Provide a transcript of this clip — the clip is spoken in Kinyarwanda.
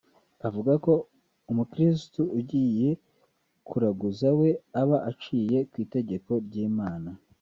Avuga ko umukirisitu ugiye kuraguza we aba aciye ku itegeko ry’Imana